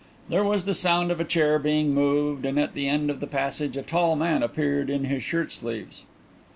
There was the sound of a chair being moved and at the end of the passage a tall man appeared in his shirt sleeves.